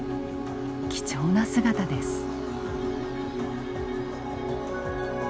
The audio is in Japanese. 貴重な姿です。